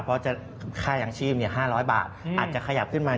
เพราะค่ายางชีพ๕๐๐บาทอาจจะขยับขึ้นมา